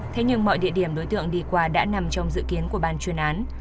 thế nhưng mọi địa điểm đối tượng đi qua đã nằm trong dự kiến của ban chuyên án